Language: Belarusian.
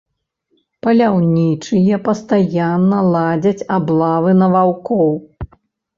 Паляўнічыя пастаянна ладзяць аблавы на ваўкоў.